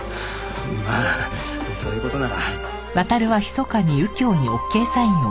まあそういう事なら。